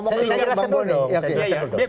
saya jelaskan dulu dong